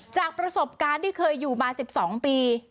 จากประสบการณ์ที่เคยอยู่มา๑๒ปี